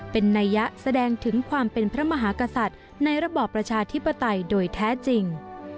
เป็นนัยยะแสดงถึงความเป็นพระมหากษัตริย์ในระบอบประชาธิปไตยโดยแท้จริง